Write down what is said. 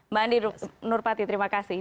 mbak andi nurpati terima kasih